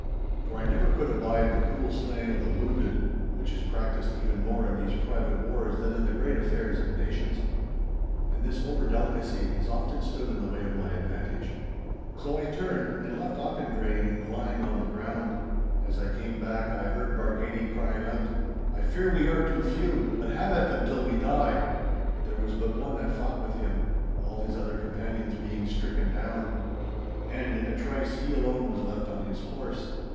For I never could abide the cruel slaying of the wounded, which is practised even more in these private wars than in the great affairs of nations. And this over delicacy has often stood in the way of my advantage. So I turned, and left Auchendrayne lying on the ground. As I came back I heard Bargany crying out, 'I fear we are too few! But have at them till we die!' There was but one that fought with him, all his other companions being stricken down. And in a trice he alone was left on his horse.